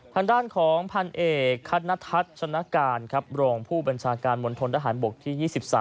ทางด้านของพันธุ์เอกคัตนทัศนการรองผู้บัญชาการมนตรฐานบกที่๒๓